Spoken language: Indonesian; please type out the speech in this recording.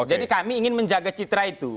jadi kami ingin menjaga citra itu